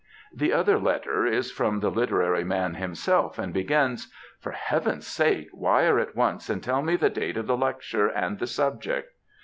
Hie other letter is from the literary man himself, and begins, ^For heayen'^s sake, wire at once and tell me the date of the lectmre, and the subject.